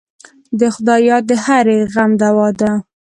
د خدای یاد د هرې غم دوا ده.